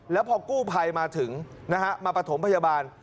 แล้วพอกู้ภัยมาถึงนะฮะมาประถมพยาบาล